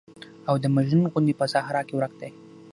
او د مجنون غوندې په صحرا کې ورک دى.